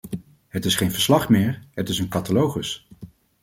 Het is geen verslag meer, het is een catalogus.